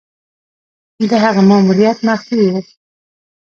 د هغه ماموریت مخفي وو.